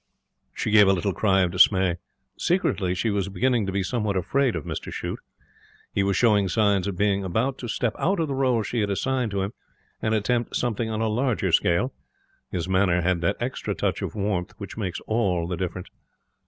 She gave a little cry of dismay. Secretly she was beginning to be somewhat afraid of Mr Shute. He was showing signs of being about to step out of the role she had assigned to him and attempt something on a larger scale. His manner had that extra touch of warmth which makes all the difference.